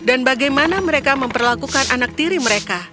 dan bagaimana mereka memperlakukan anak tiri mereka